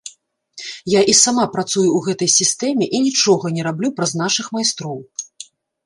Я і сама працую ў гэтай сістэме і нічога не раблю праз нашых майстроў.